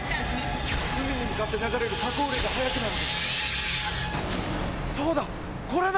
海に向かって流れる河口流が速くなる。